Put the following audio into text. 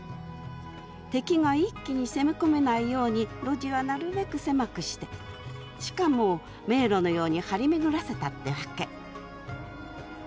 敵が一気に攻め込めないように路地はなるべく狭くしてしかも迷路のように張り巡らせたってわけ。